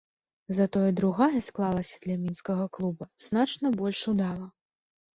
Затое другая склалася для мінскага клуба значна больш удала.